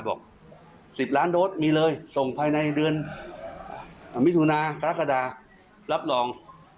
บอก๑๐ล้านโดสมีเลยส่งภายในเดือนมิถุนากรกฎารับรอง